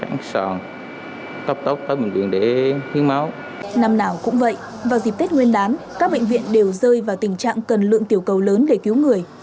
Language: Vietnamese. năm nào cũng vậy vào dịp tết nguyên đán các bệnh viện đều rơi vào tình trạng cần lượng tiểu cầu lớn để cứu người